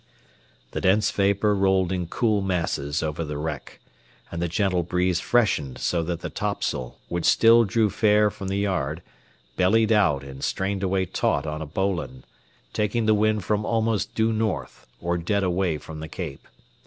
The dense vapor rolled in cool masses over the wreck, and the gentle breeze freshened so that the topsail, which still drew fair from the yard, bellied out and strained away taut on a bowline, taking the wind from almost due north, or dead away from the Cape.